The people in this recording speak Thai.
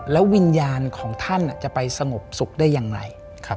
แล้ววิญญาณของท่านจะไปสงบสุขได้อย่างไร